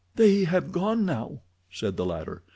"They have gone now," said the latter.